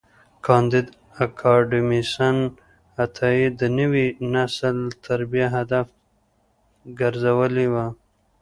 کانديد اکاډميسن عطایي د نوي نسل تربیه هدف ګرځولي وه.